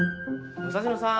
武蔵野さん。